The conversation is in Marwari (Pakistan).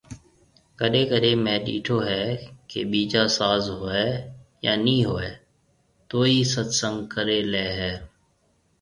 ڪڏي ڪڏي مينھ ڏيٺو ھيَََ ڪي ٻيجا ساز ھوئي يا ني ھوئي توئي ست سنگ ڪري لي ھيَََ